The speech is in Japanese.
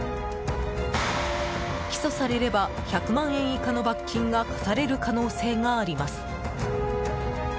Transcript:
起訴されれば１００万円以下の罰金が科される可能性があります。